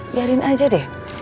biarin aja deh